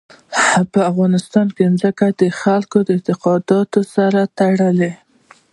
په افغانستان کې ځمکه د خلکو د اعتقاداتو سره تړاو لري.